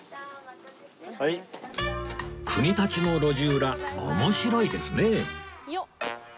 国立の路地裏面白いですね